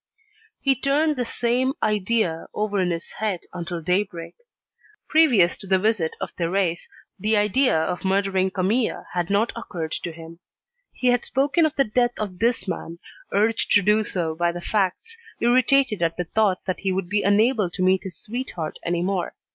He turned the same idea over in his head until daybreak. Previous to the visit of Thérèse, the idea of murdering Camille had not occurred to him. He had spoken of the death of this man, urged to do so by the facts, irritated at the thought that he would be unable to meet his sweetheart any more.